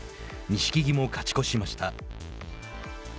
錦木も勝ち越しました。